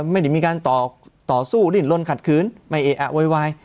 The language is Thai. ไม่ได้มีการต่อสู้ล้นคัดขื้นไม่ให้โยวาย